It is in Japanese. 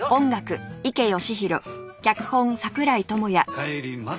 帰ります！